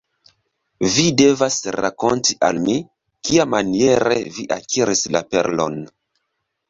Vi devas rakonti al mi, kiamaniere vi akiris la perlon.